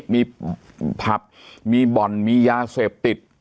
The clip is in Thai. มีผับมีบ่อนมียาเสพติด